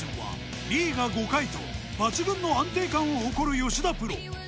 今シーズンは２位が５回と抜群の安定感を誇る吉田プロ。